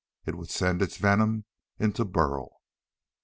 It would send its venom into Burl.